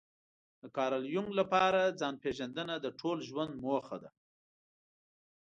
د کارل يونګ لپاره ځان پېژندنه د ټول ژوند موخه ده.